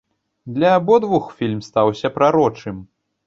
Для абодвух фільм стаўся прарочым.